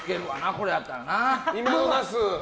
これだったらな。